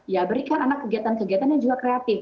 ya berikan anak kegiatan kegiatan yang juga kreatif